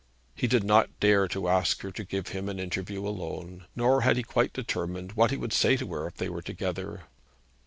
He did not dare to ask her to give him an interview alone; nor had he quite determined what he would say to her if they were together.